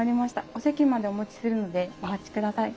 お席までお持ちするのでお待ちください。